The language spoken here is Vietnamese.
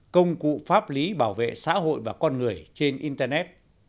công cụ pháp lý bảo vệ xã hội và con người trên internet